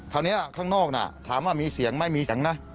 คราวนี้ข้างนอกถามว่ามีเสียงไม่มีเสียงนะ